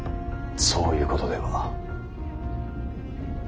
そういうことでは。